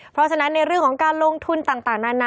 เพราะฉะนั้นในเรื่องของการลงทุนต่างนานา